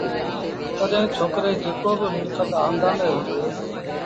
تڏهيݩ ڇوڪري جيڪو با ملڪت آݩدآݩدي هُݩدي